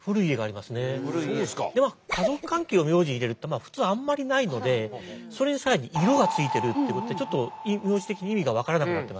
でも家族関係を名字に入れるって普通あんまりないのでそれに更に色が付いているっていうことでちょっと名字的に意味が分からなくなってますよね。